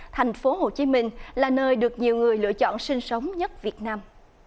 thành phố hồ chí minh là nơi được nhiều người lựa chọn sinh sống nhất việt nam